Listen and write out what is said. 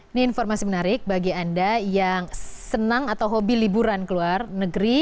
ini informasi menarik bagi anda yang senang atau hobi liburan ke luar negeri